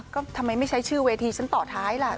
ก็ทำไมไม่ใช้ชื่อเวทีฉันต่อท้ายล่ะ